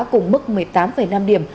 cùng mức một mươi tám năm điểm